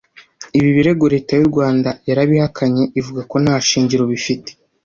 Ibi birego leta y’u Rwanda yarabihakanye ivuga ko nta shingiro bifite